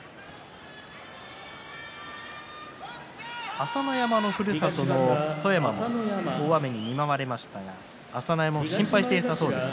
朝乃山のふるさとの富山も大雨に見舞われましたが朝乃山も心配していたそうです。